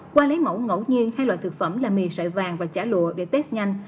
qua lấy mẫu ngẫu nhiên hai loại thực phẩm là mì sợi vàng và chả lụa để test nhanh